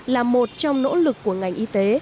là một trong nỗ lực của ngành y tế